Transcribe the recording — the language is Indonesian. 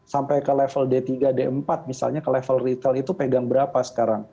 sampai ke level d tiga d empat misalnya ke level retail itu pegang berapa sekarang